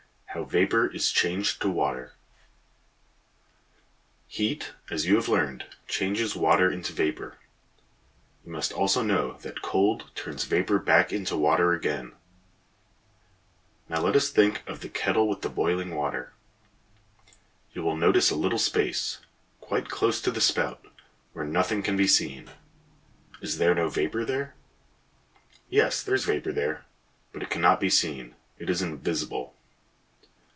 HOW VAPOR IS CHANGED TO WATER, Heat, as you have learned, changes water into vapor. You must also know that cold turns vapor back into water again. [Illustration: "THINK OF THE KETTLE WITH THE BOILING WATER."] Now let us think of the kettle with the boiling water. You will notice a little space; quite close to the spout, where nothing can be seen. Is there no vapor there? Yes, there is vapor there, but it cannot be seen; it is invisible.